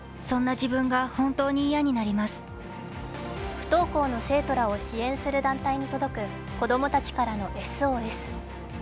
不登校の生徒らを支援する団体に届く子供たちからのＳＯＳ。